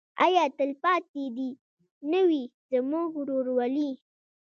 آیا تلپاتې دې نه وي زموږ ورورولي؟